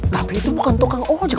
tapi itu bukan tukang ojek